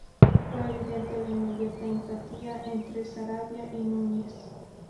Fue evidente la inmediata antipatía entre Saravia y Núñez.